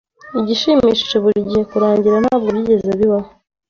Igishimishije burigihe kurangira ntabwo byigeze bibaho